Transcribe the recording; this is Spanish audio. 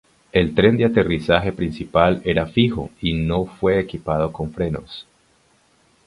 El tren de aterrizaje principal era fijo y no fue equipado con frenos.